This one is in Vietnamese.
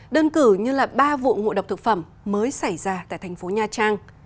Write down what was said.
đơn cử như là ba vụ ngộ độc thực phẩm mới xảy ra tại thành phố nha trang